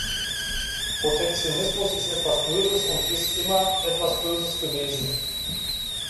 Protektionismus ist etwas Böses und ist immer etwas Böses gewesen.